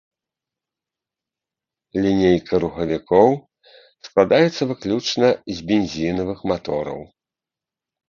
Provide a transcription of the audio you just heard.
Лінейка рухавікоў складаецца выключна з бензінавых матораў.